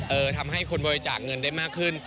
ทำให้คนบริจาคเงินได้มากขึ้น